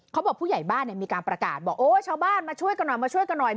เขาบอกผู้ใหญ่บ้านมีการประกาศบอกชาวบ้านมาช่วยกันหน่อย